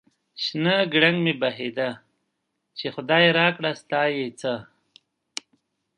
شنه گړنگ مې بهيده ، چې خداى راکړه ستا يې څه ؟